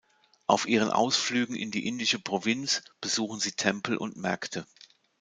Auf ihren Ausflügen in die indische Provinz besuchen sie Tempel und Märkte.